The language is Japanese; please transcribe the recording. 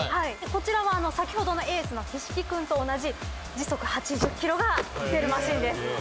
こちらは先ほどのエースの菱木君と同じ時速８０キロが出るマシンです。